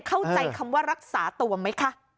เข้าใจคำว่ารักษาตัวไหมคะ